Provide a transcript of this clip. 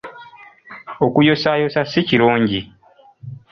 Okuyosaayosa si kirungi.